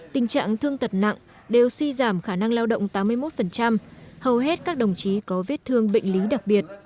tình trạng thương tật nặng đều suy giảm khả năng lao động tám mươi một hầu hết các đồng chí có vết thương bệnh lý đặc biệt